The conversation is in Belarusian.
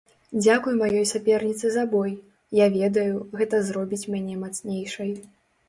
Дзякуй маёй саперніцы за бой, я ведаю, гэта зробіць мяне мацнейшай!